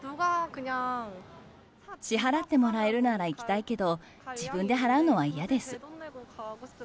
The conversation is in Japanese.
支払ってもらえるなら行きたいけど、自分で払うのは嫌です。